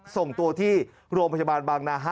ส่งตัวที่โรงพยาบาลบางนา๕